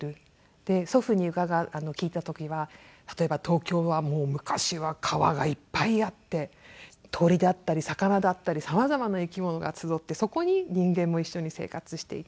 で祖父に聞いた時は例えば東京は昔は川がいっぱいあって鳥だったり魚だったり様々な生き物が集ってそこに人間も一緒に生活していた。